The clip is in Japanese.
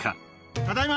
ただいま。